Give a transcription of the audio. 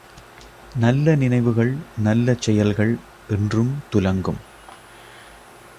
நல்ல நினைவுகள், நல்ல செயல்கள் என்றும் துலங்கும்.